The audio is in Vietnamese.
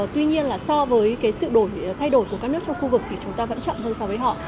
tuy nhiên là so với cái sự thay đổi của các nước trong khu vực thì chúng ta vẫn chậm hơn so với họ